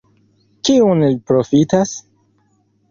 Kiun li profitas?